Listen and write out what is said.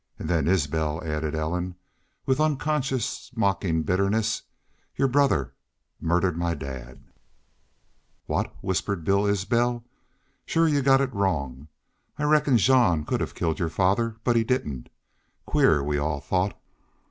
"An' then, Isbel," added Ellen, with unconscious mocking bitterness, "Your brother murdered my dad!" "What!" whispered Bill Isbel. "Shore y'u've got it wrong. I reckon Jean could have killed your father.... But he didn't. Queer, we all thought."